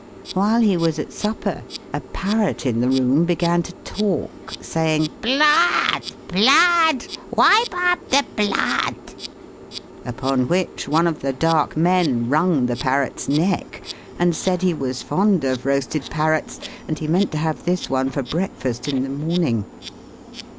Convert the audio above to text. While he was at supper, a parrot in the room began to talk, saying, "Blood, blood! Wipe up the blood!" Upon which one of the dark men wrung the parrot's neck, and said he was fond of roasted parrots, and he meant to have this one for breakfast in the morning.